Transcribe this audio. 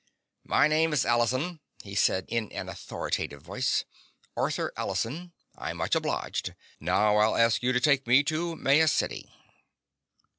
"My name is Allison," he said in an authoritative voice. "Arthur Allison. I'm much obliged. Now I'll ask you to take me to Maya City."